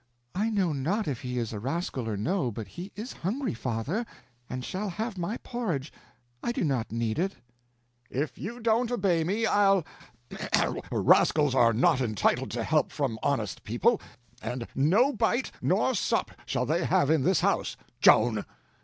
"I know not if he is a rascal or no, but he is hungry, father, and shall have my porridge—I do not need it." "If you don't obey me I'll—Rascals are not entitled to help from honest people, and no bite nor sup shall they have in this house. Joan!"